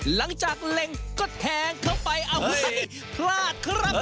หลังจากเล็งก็แทงเข้าไปพลาดครับ